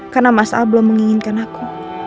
karena mas al belum menginginkan aku